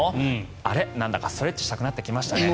あれ、なんだかストレッチしたくなりましたね。